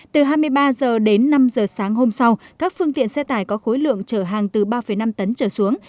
từ hai mươi ba h đến năm h sáng hôm sau các phương tiện xe tải có khối lượng chở hàng từ ba năm tấn trở xuống